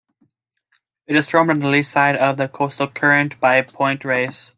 It is formed on the lee side of the coastal current by Point Reyes.